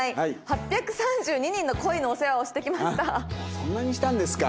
そんなにしたんですか。